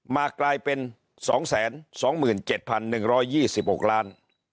มากลายเป็น๒๒๗๑๒๖ล้าน